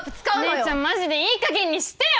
お姉ちゃんマジでいい加減にしてよ！